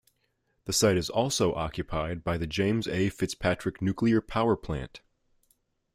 The site is also occupied by the James A. FitzPatrick Nuclear Power Plant.